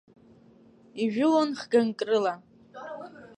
Ижәылон хганк рыла.